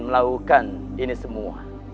melakukan ini semua